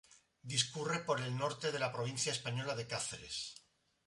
Discurre por el norte de la provincia española de Cáceres.